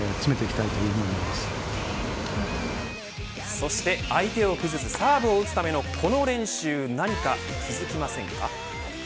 そして相手を崩すサーブを打つためのこの練習、何か気付きませんか。